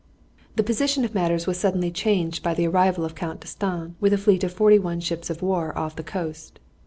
The position of matters was suddenly changed by the arrival of Count D'Estaing with a fleet of forty one ships of war off the coast.